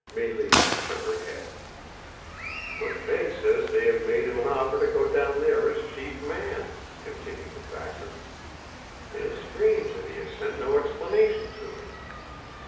Mélisse shook her head. "MacVeigh says they have made him an offer to go down there as chief man," continued the factor. "It is strange that he has sent no explanation to me!"